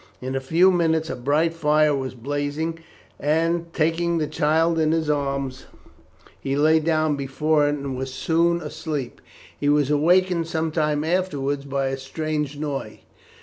In a few minutes a bright fire was blazing, and taking the child in his arms, he lay down before it, and was soon asleep. He was awakened some time afterwards by a strange noise.